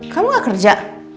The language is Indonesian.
kamu gak kerja